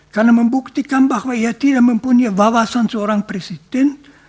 karena membuktikan bahwa ia tidak mempunyai wawasan seorang presiden